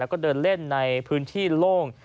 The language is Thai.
แล้วก็เดินเล่นในพื้นที่โล่ง